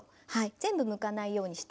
全部むかないようにして。